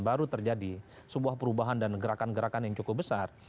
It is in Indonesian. baru terjadi sebuah perubahan dan gerakan gerakan yang cukup besar